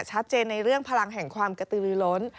ชัดเจนในเรื่องพลังแห่งความกระตือลือล้น